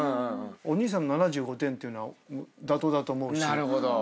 お兄さんの７５点っていうのは妥当だと思うし。